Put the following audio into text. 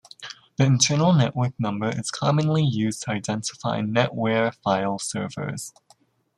The internal network number is commonly used to identify NetWare file servers.